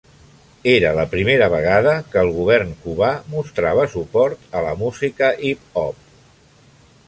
Era la primera vegada que el govern cubà mostrava suport a la música hip hop.